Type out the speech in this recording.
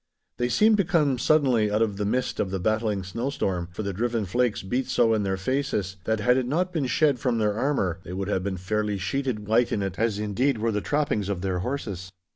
They seemed to come suddenly out of the midst of the battling snowstorm, for the driven flakes beat so in their faces, that had it not been shed from their armour they would have been fairly sheeted white in it, as indeed were the trappings of their horses.